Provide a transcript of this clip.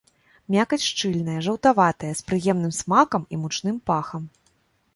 Мякаць шчыльная, жаўтаватая, з прыемным смакам і мучным пахам.